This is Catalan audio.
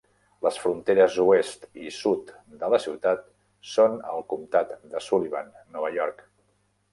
Les fronteres oest i sud de la ciutat són el comtat de Sullivan, Nova York.